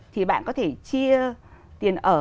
thì bạn có thể chia tiền ở